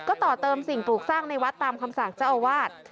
ก็ต่อเติมสิ่งปลูกสร้างในวัดตามคำสั่งเจ้าอาวาส